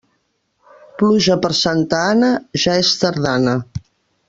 Pluja per Santa Anna, ja és tardana.